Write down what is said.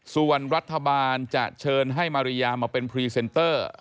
ส่วนรัฐบาลจะเชิญให้มาริยามาเป็นพรีเซนเตอร์